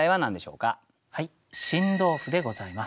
はい「新豆腐」でございます。